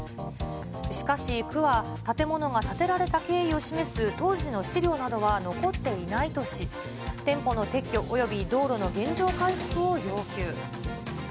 しかし、区は建物が建てられた経緯を示す当時の資料などは残っていないとし、店舗の撤去、および道路の原状回復を要求。